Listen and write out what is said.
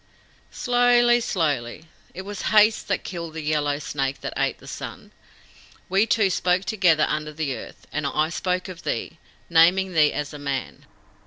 "Slowly slowly. It was haste killed the Yellow Snake that ate the sun. We two spoke together under the earth, and I spoke of thee, naming thee as a man.